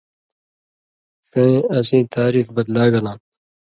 ݜیں اسی تعریف بَدلا گلاں تھو۔